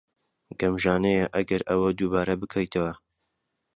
گەمژانەیە ئەگەر ئەوە دووبارە بکەیتەوە.